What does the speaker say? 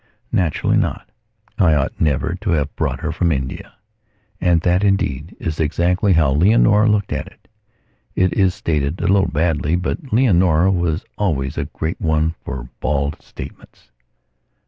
Naturally not. I ought never to have brought her from India." And that, indeed, is exactly how Leonora looked at it. It is stated a little baldly, but Leonora was always a great one for bald statements.